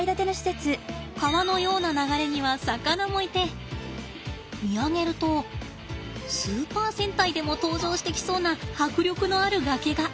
川のような流れには魚もいて見上げるとスーパー戦隊でも登場してきそうな迫力のある崖が。